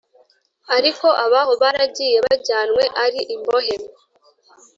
Ariko abaho baragiye bajyanywe ari imbohe